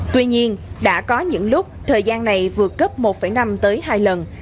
tuy nhiên đã có những lúc thời gian này vượt cấp một năm tới hai lần